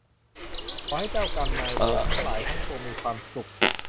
ขอให้เจ้ากรรมนายเวรทั้งหลายทั้งปวงมีความสุข